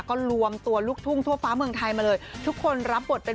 ก็รวมตัวลูกทุ่งทั่วฟ้าเมืองไทยมาเลยทุกคนรับบทเป็น